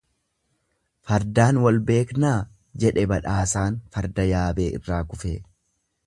Fardaan wal beeknaa jedhee badhaasaan farda yaabee irraa kufee.